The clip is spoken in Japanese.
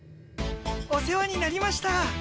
お世話になりました。